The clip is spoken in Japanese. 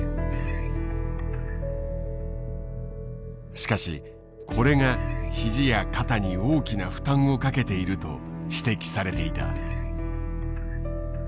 しかしこれが肘や肩に大きな負担をかけていると指摘されていた。